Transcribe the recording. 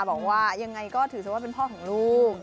บอกว่ายังไงก็ถือซะว่าเป็นพ่อของลูก